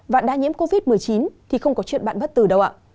bạn đã nhiễm covid một mươi chín thì không có chuyện bạn bất tử đâu ạ